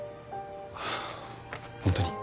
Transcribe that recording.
本当に？